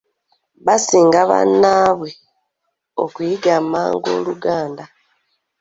Baasinga bannaabwe okuyiga amangu Oluganda.